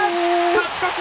勝ち越し！